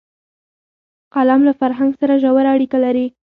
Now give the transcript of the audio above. قلم له فرهنګ سره ژوره اړیکه لري